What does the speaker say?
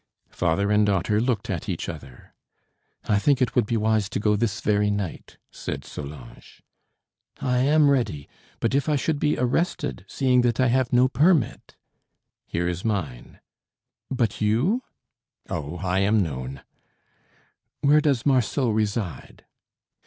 Father and daughter looked at each other. "I think it would be wise to go this very night," said Solange. "I am ready; but if I should be arrested, seeing that I have no permit?" "Here is mine." "But you?" "Oh, I am known." "Where does Marceau reside?"